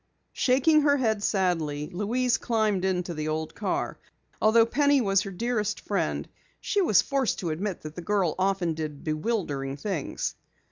Shaking her head sadly, Louise climbed into the old car. Although Penny was her dearest friend she was forced to admit that the girl often did bewildering things.